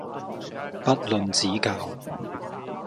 不吝指教